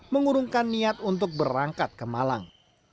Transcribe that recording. mengurungkan niat untuk berangkat ke malang